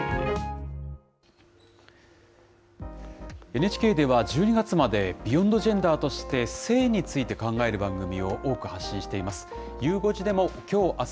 ＮＨＫでは、１２月までビヨンドジェンダーとして性について考える番組を多く発信しています。